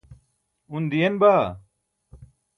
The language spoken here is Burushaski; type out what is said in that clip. un diyen baa